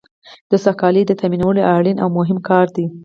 د سوکالۍ تامینول اړین او مهم کار دی.